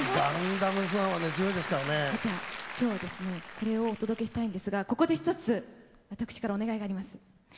これをお届けしたいんですがここで一つ私からお願いがあります。